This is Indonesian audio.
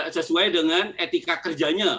sesuai dengan etika kerjanya